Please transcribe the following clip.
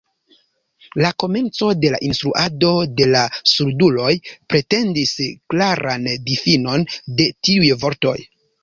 La komenco de la instruado de la surduloj pretendis klaran difinon de tiuj vortoj.